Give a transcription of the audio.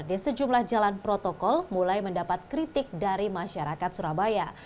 di sejumlah jalan protokol mulai mendapat kritik dari masyarakat surabaya